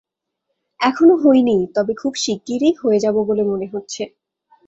এখনো হই নি, তবে খুব শিগুগিরই হয়ে যাব বলে মনে হচ্ছে।